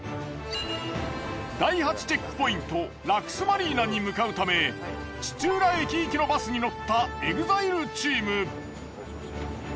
第８チェックポイントラクスマリーナに向かうため土浦駅行きのバスに乗ったＥＸＩＬＥチーム。